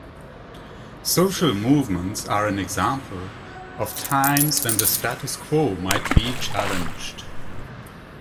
Social movements are an example of times when the status quo might be challenged.